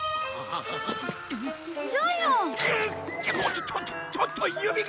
ちょちょっと指が。